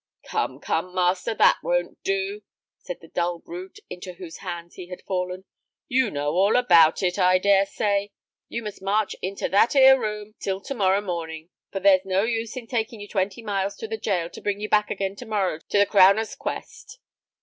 "Come, come, master, that won't do," said the dull brute into whose hands he had fallen. "You know all about it, I dare say. You must march into that 'ere room till to morrow morning, for there's no use in taking you twenty miles to the jail, to bring you back again tomorrow to the crowner's 'quest."